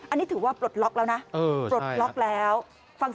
อันนี้ถือว่าปลดล็อคแล้วนะ